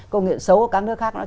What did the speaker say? công nghệ xấu ở các nước khác